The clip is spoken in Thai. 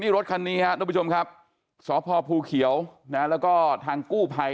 นี่รถคันนี้ฮะทุกผู้ชมครับสภพภูเขียวนะแล้วก็ทางกู้ไพ